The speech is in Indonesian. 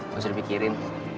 gak usah dipikirin